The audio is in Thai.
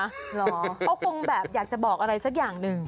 เหรอเขาคงแบบอยากจะบอกอะไรสักอย่างหนึ่ง